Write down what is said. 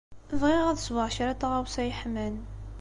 Bɣiɣ ad sweɣ kra n tɣawsa yeḥman.